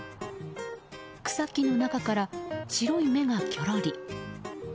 草木の中から、白い目がぎょろり。